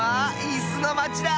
いすのまちだ！